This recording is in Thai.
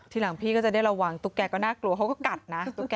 ทีหลังพี่ก็จะได้ระวังตุ๊กแกก็น่ากลัวเขาก็กัดนะ